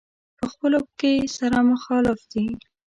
په خپلو کې سره مخالف دي.